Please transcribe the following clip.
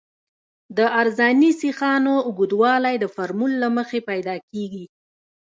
د عرضاني سیخانو اوږدوالی د فورمول له مخې پیدا کیږي